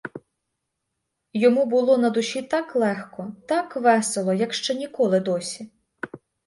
Йому було на душі так легко, так весело, як ще ніколи досі.